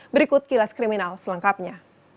berikut gilas kriminal selengkapnya